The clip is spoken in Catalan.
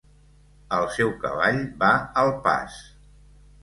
El seu cavall va al pas.